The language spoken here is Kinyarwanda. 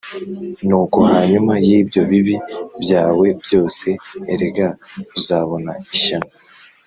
Nuko hanyuma y’ibyo bibi byawe byose (erega uzabona ishyano